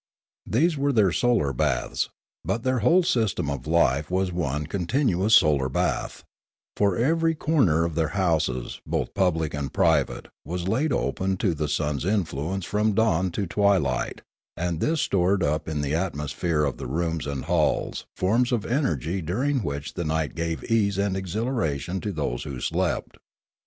These were their solar baths; but their whole system of life was one con tinuous solar bath: for every corner of their houses both public and private was laid open to the sun's in fluence from dawn to twilight, and this stored up in the atmosphere of the rooms and halls forms of energy which during the night gave ease and exhilaration to those who slept.